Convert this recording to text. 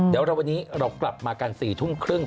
เดี๋ยววันนี้เรากลับมากัน๔ทุ่มครึ่ง